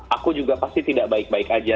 aku juga pasti tidak baik baik aja